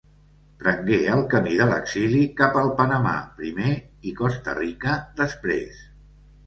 Prengué el camí de l'exili cap al Panamà primer i Costa Rica després.